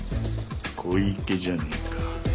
小池じゃねえか。